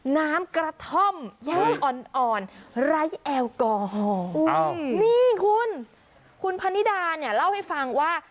น้ำกระท่อมย่างอ่อนอ่อนไร้แอลกอฮอล์นี่คุณคุณพนิดาเนี่ยเล่าให้ฟังว่า